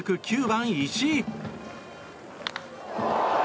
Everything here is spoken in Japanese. ９番、石井。